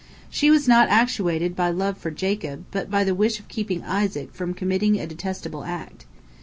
She was not actuated by love for Jacob, but by the wish of keeping Isaac from committing a detestable act.